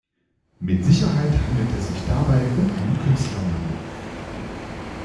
Mit Sicherheit handelt es sich dabei um einen Künstlernamen.